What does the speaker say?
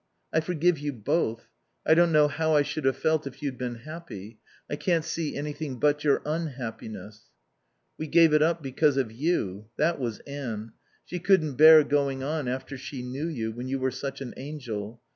"I forgive you both. I don't know how I should have felt if you'd been happy. I can't see anything but your unhappiness." "We gave it up because of you. That was Anne. She couldn't bear going on after she knew you, when you were such an angel.